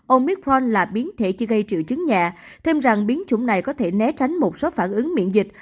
omicron là biến thể chỉ gây triệu chứng nhẹ thêm rằng biến chủng này có thể né tránh một số phản ứng miễn dịch